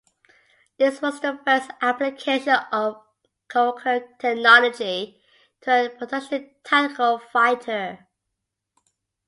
This was the first application of co-cured technology to a production tactical fighter.